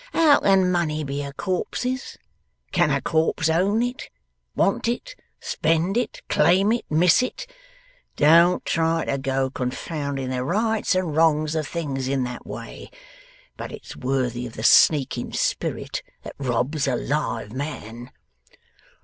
How can money be a corpse's? Can a corpse own it, want it, spend it, claim it, miss it? Don't try to go confounding the rights and wrongs of things in that way. But it's worthy of the sneaking spirit that robs a live man.